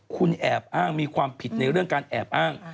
คุณแอบอ้างมีความผิดในเรื่องการแอบอ้าง